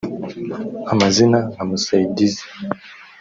Amazina nka Musayidizi